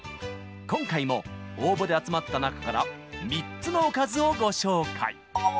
今回も応募で集まった中から３つのおかずをご紹介